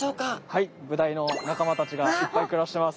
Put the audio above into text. はいブダイの仲間たちがいっぱい暮らしてます。